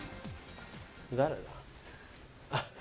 誰だ？